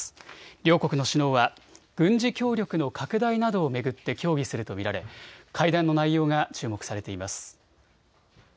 両国の首脳は軍事協力の拡大などを巡って協議すると見られ会談の内容が注目されています。